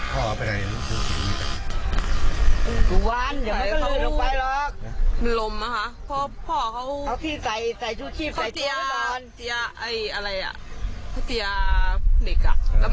ปลาอุ่นที่ใส่น้ำทิ้งไปแล้ว